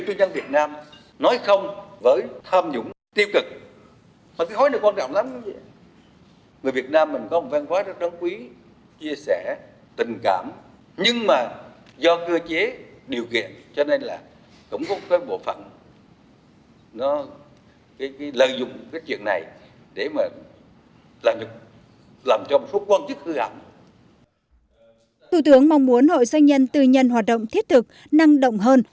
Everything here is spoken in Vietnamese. thủ tướng mong muốn hội doanh nhân tư nhân hoạt động thiết thực năng động hơn